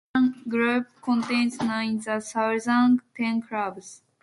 The northern group contains nine, the southern ten clubs.